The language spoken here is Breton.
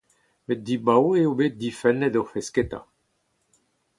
Met dibaoe eo bet difennet o fesketa.